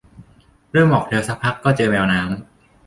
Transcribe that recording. เริ่มออกเรือซักพักก็เจอแมวน้ำ